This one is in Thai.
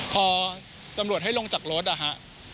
พอตำรวจให้ลงจากรถนะฮะ